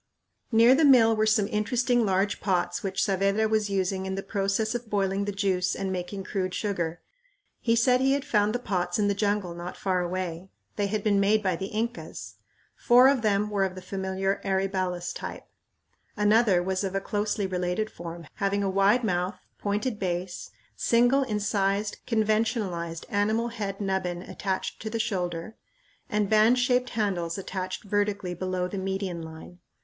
Near the mill were some interesting large pots which Saavedra was using in the process of boiling the juice and making crude sugar. He said he had found the pots in the jungle not far away. They had been made by the Incas. Four of them were of the familiar aryballus type. Another was of a closely related form, having a wide mouth, pointed base, single incised, conventionalized, animal head nubbin attached to the shoulder, and band shaped handles attached vertically below the median line.